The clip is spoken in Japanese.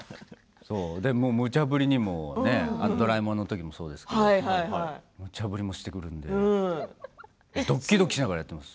むちゃ振りにもねドラえもんの時もそうですけどむちゃ振りをしてくるのでどきどきしながらやっています。